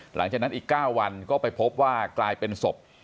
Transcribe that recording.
หลังจากนั้นอีก๙วันก็ไปพบว่ากลายเป็นศพ